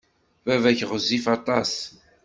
Baba-k ɣezzif aṭas.